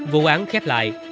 vụ án khép lại